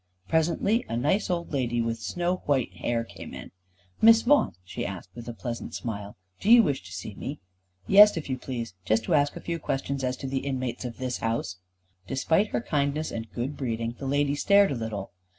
Presently a nice old lady, with snow white hair, came in. "Miss Vaughan," she asked with a pleasant smile, "do you wish to see me?" "Yes, if you please. Just to ask a few questions as to the inmates of this house." Despite her kindness and good breeding, the lady stared a little.